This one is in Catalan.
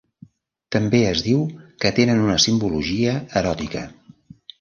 També es diu que tenen una simbologia eròtica.